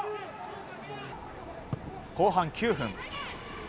後半９分。